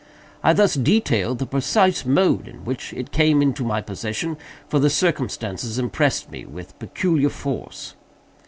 I thus detail the precise mode in which it came into my possession; for the circumstances impressed me with peculiar force.